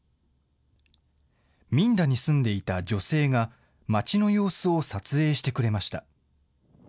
ミンダに住んでいた女性が、町の様子を撮影してくれました。